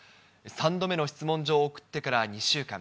３度目の質問状を送ってから２週間。